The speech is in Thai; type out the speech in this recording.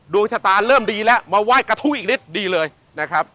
ดวงชะตาเริ่มดีแล้วมาไหว้กระทู้อีกนิดดีเลยนะครับ